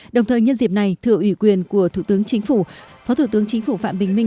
đồng thời nhân dịp này thưa ủy quyền của thủ tướng chính phủ phó thủ tướng chính phủ phạm bình minh